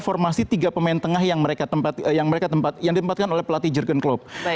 formasi tiga pemain tengah yang ditempatkan oleh pelatih jurgen klopp